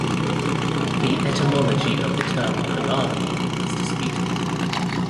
The etymology of the term "Palagi" is disputed.